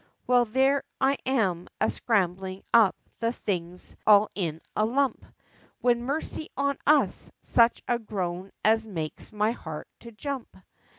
Well, there I am, a scrambling up the things, all in a lump, When, mercy on us! such a groan as makes my heart to jump.